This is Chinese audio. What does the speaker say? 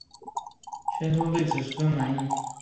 宣宗对此十分满意。